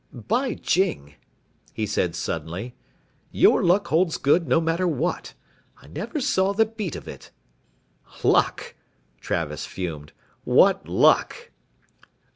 "By jing," he said suddenly, "your luck holds good, no matter what. I never saw the beat of it " "Luck?" Travis fumed, "what luck?"